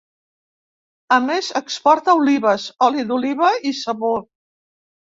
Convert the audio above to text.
A més, exporta olives, oli d'oliva i sabó.